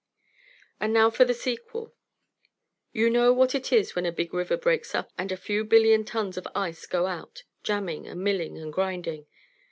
And now for the sequel. You know what it is when a big river breaks up and a few billion tons of ice go out, jamming and milling and grinding.